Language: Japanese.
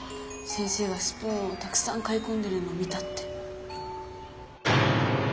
先生がスプーンをたくさん買いこんでるのを見たって。